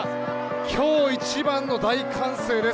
今日一番の大歓声です。